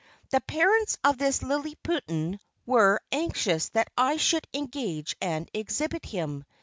The parents of this liliputian were anxious that I should engage and exhibit him.